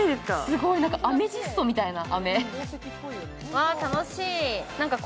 すごい、アメジストみたいな。